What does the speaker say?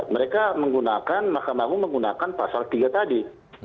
mereka menggunakan mahkamah agung menggunakan pasal tiga tadi